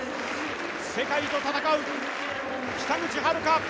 世界と戦う北口榛花。